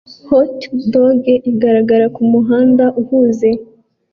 hotdog ihagarare kumuhanda uhuze